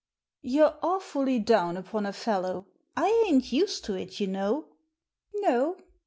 You're awfully down upon a fellow. I ain't used to it, you know." "No?"